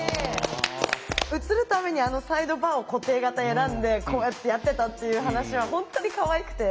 写るためにあのサイドバーを固定型選んでこうやってやってたっていう話は本当にかわいくて。